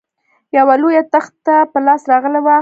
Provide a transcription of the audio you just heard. یوه لویه تخته په لاس راغلې وه.